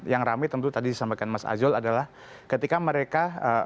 yang rame tentu tadi disampaikan mas azul adalah ketika mereka